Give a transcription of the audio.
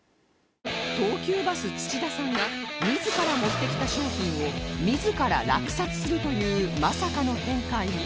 東急バス土田さんが自ら持ってきた商品を自ら落札するというまさかの展開に